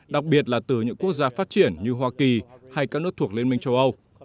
đặc biệt là từ những quốc gia phát triển như hoa kỳ hay các nước thuộc liên minh châu âu